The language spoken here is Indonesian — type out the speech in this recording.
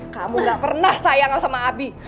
kamu gak pernah sayang sama abi